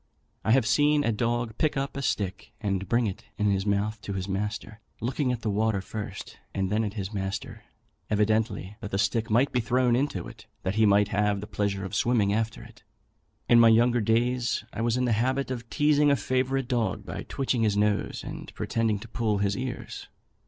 I have seen a dog pick up a stick and bring it in his mouth to his master, looking at the water first and then at his master, evidently that the stick might be thrown into it, that he might have the pleasure of swimming after it. In my younger days, I was in the habit of teazing a favourite dog by twitching his nose and pretending to pull his ears.